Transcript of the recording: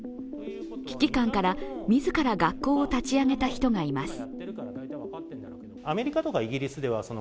危機感から、みずから学校を立ち上げた人がいます。